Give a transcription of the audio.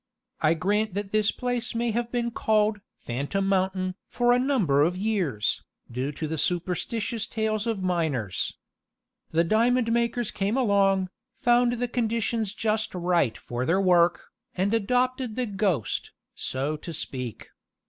I grant that this place may have been called 'Phantom Mountain' for a number of years, due to the superstitious tales of miners. The diamond makers came along, found the conditions just right for their work, and adopted the ghost, so to speak.